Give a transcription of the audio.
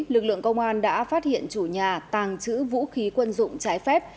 lực lượng công an đã phát hiện chủ nhà tàng trữ vũ khí quân dụng trái phép